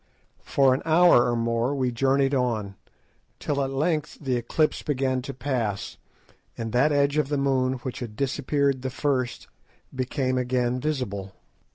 For an hour or more we journeyed on, till at length the eclipse began to pass, and that edge of the moon which had disappeared the first became again visible.